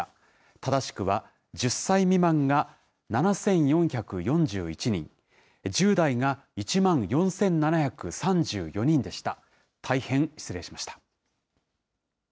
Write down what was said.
正しくは、１０歳未満が７４４１人、１０代が１万４７３４人でした。